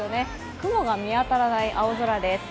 雲が見当たらない青空です。